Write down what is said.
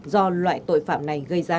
do loại tội phạm này gây ra